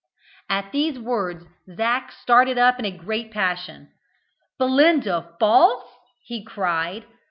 At these words Zac started up in a great passion. "Belinda false!" he cried.